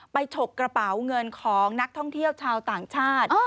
ฉกกระเป๋าเงินของนักท่องเที่ยวชาวต่างชาติ